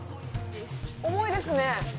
重いですね。